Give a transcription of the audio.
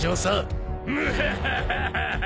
ムハハハ。